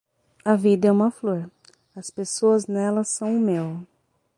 A vida é uma flor, as pessoas nela são o mel.